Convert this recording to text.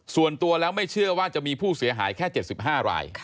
ส่วนตัวแล้วไม่เชื่อว่าจะมีผู้เสียหายแค่๗๕ราย